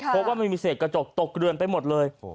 เพราะว่ามันมีเศษกระจกตกเกลือนไปหมดเลย